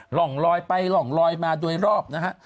ร่องลอยไปหล่องลอยมาโดยรอบนะฮะ